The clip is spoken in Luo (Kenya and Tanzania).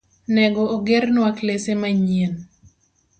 Nego ogernwa klese manyien.